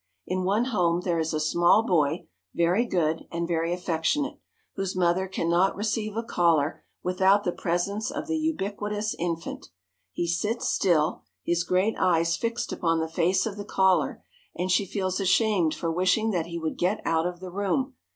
In one home there is a small boy, very good, and very affectionate, whose mother can not receive a caller without the presence of the ubiquitous infant. He sits still, his great eyes fixed upon the face of the caller, and she feels ashamed for wishing that he would get out of the room.